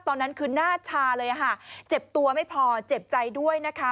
ตอนนั้นคือหน้าชาเลยค่ะเจ็บตัวไม่พอเจ็บใจด้วยนะคะ